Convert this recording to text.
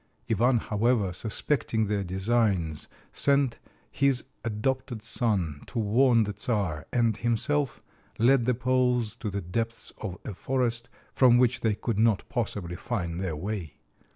Ivan, however, suspecting their designs, sent his adopted son to warn the Czar, and himself led the Poles to the depths of a forest from which they could not possibly find their way.